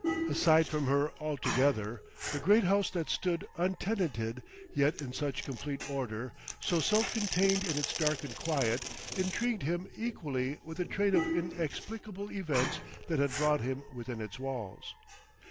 Aside from her altogether, the great house that stood untenanted, yet in such complete order, so self contained in its darkened quiet, intrigued him equally with the train of inexplicable events that had brought him within its walls.